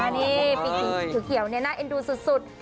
อันนี้ปีกถือเขียวเนี่ยน่าเอ็นดูสุด